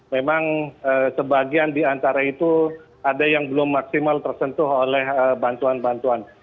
memang sebagian di antara itu ada yang belum maksimal tersentuh oleh bantuan bantuan